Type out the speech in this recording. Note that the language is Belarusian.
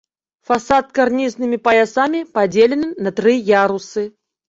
Фасад карнізнымі паясамі падзелены на тры ярусы.